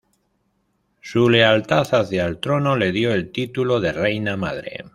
Su lealtad hacia el trono le dio el título de "Reina Madre".